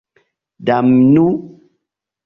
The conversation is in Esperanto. Damnu!